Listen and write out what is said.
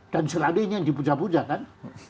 dan selalu ini yang dipuja puja kan